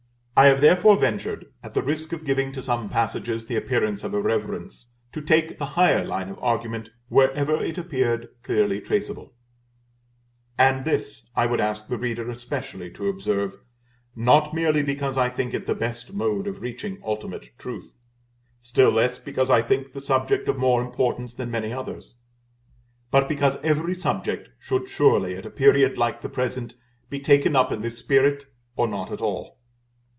I have therefore ventured, at the risk of giving to some passages the appearance of irreverence, to take the higher line of argument wherever it appeared clearly traceable: and this, I would ask the reader especially to observe, not merely because I think it the best mode of reaching ultimate truth, still less because I think the subject of more importance than many others; but because every subject should surely, at a period like the present, be taken up in this spirit, or not at all.